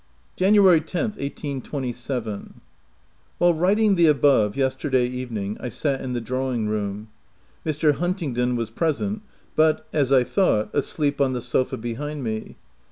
Jan. 10th, 1827. While writing the above, yesterday evening, I sat in the drawing room. Mr. Huntingdon was present, but, as I thought, asleep on the sofa behind me.